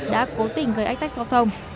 cố tình gây ách tách giao thông